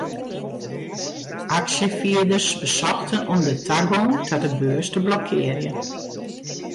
Aksjefierders besochten om de tagong ta de beurs te blokkearjen.